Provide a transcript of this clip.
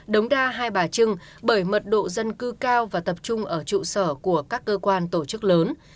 đống đa hai bà trưng bởi mật độ dân cư cao và tập trung ở trụ sở của các cơ quan tổ chức lớn